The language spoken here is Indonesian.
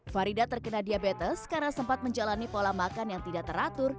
farida terkena diabetes karena sempat menjalani pola makan yang tidak teratur